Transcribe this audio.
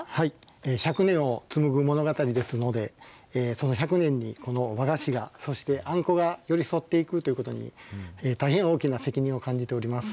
１００年を紡ぐ物語ですので、その１００年にこの和菓子が、そしてあんこが寄り添っていくということに、大変大きな責任を感じております。